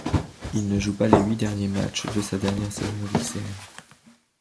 Il ne joue pas les huit derniers matchs de sa dernière saison lycéenne.